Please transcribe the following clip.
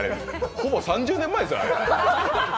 ほぼ３０年前ですよ。